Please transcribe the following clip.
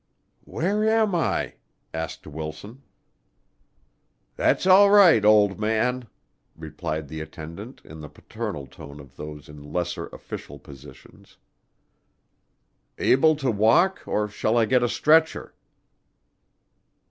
"Where am I?" asked Wilson. "That's all right, old man," replied the attendant in the paternal tone of those in lesser official positions. "Able to walk, or shall I get a stretcher?"